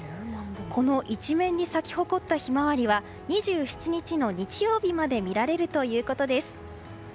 この一面に咲き誇ったヒマワリは２７日の日曜日まで見られるということです。